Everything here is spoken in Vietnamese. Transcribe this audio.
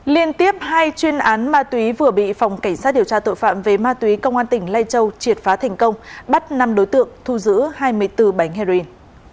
liên tiếp hai chuyên án ma túy vừa bị phòng cảnh sát điều tra tội phạm về ma túy công an tỉnh lai châu triệt phá thành công bắt năm đối tượng thu giữ hai mươi bốn bánh heroin